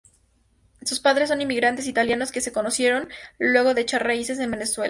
Sus padres son inmigrantes italianos que se conocieron luego de echar raíces en Venezuela.